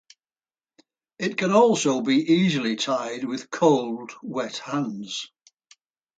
It can also be easily tied with cold, wet hands.